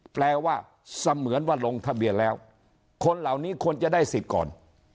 แปลว่าเสมือนว่าลงทะเบียนแล้วคนเหล่านี้ควรจะได้สิทธิ์ก่อน